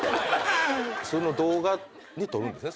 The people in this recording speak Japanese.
動画に撮るんですね。